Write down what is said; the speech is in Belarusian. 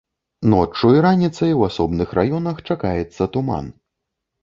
Ноччу і раніцай у асобных раёнах чакаецца туман.